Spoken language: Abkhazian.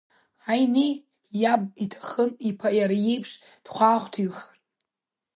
Ҳаине иаб иҭахын иԥа иара иеиԥш дхәаахәҭыҩхар.